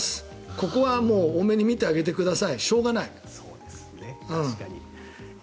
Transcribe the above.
ここは多めに見てあげてくださいしょうがない。